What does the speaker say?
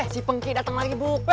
si pengki dateng lagi buk